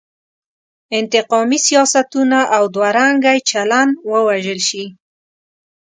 انتقامي سیاستونه او دوه رنګی چلن ووژل شي.